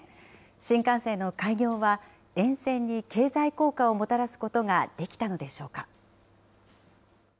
新幹線の開業は沿線に経済効果をもたらすことができたのでしょうか。